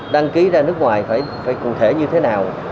đăng ký ra nước ngoài phải cụ thể như thế nào